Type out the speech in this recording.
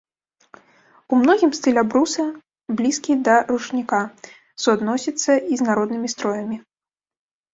У многім стыль абруса блізкі да ручніка, суадносіцца і з народнымі строямі.